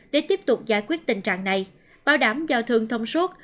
để tiếp tục giải quyết tình trạng này bảo đảm giao thương thông suất